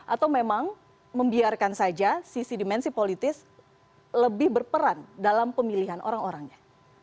atau memang membiarkan saja sisi dimensi politis lebih berperan dalam pemilihan orang orangnya